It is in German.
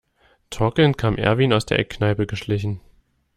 Torkelnd kam Erwin aus der Eckkneipe geschlichen.